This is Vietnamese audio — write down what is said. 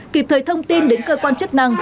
kịp thời thông tin đến cơ quan chức năng